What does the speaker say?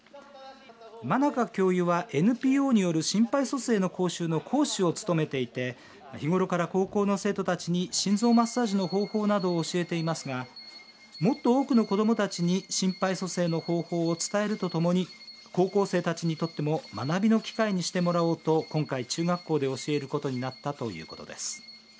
間中教諭は、ＮＰＯによる心肺蘇生の講習の講師を務めていて日頃から高校の生徒たちに心臓マッサージの方法などを教えていますがもっと多くの子どもたちに心肺蘇生の方法を伝えるとともに高校生たちにとっても学びの機会にしてもらおうと今回、中学校で教えることになったということです。